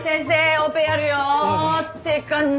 オペやるよ！ってかな